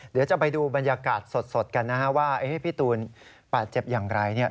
เดี๋ยวจะไปดูบรรยากาศสดกันนะฮะว่าพี่ตูนบาดเจ็บอย่างไรเนี่ย